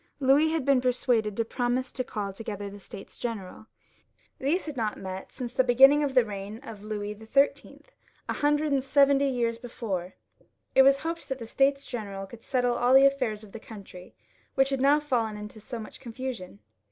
Louis had been persuaded to promise to call together the States General. These had not met since the beginning of the reign of Louis XIII., a hundred and seventy five years be fore. It was hoped that the States General would settle all tJie alfairs of the country, which had now fallen into so much confusion.